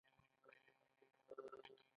مجاهد د زړه له اخلاصه دعا کوي.